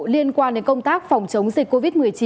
liên quan đến công tác phòng chống dịch covid một mươi chín